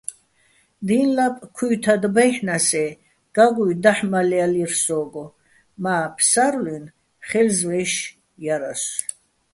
დი́ნ ლაპ ქუ́ჲთად ბაჲჰ̦ნა́ს-ე, გაგუჲ დაჰ̦ მალჲალირ სო́გო, მა́ ფსარლუ́ჲნი̆ ხეჲლზვე́ში̆ ჲარასო̆.